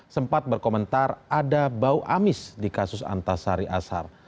sempat berkomentar ada bau amis di kasus antasari asar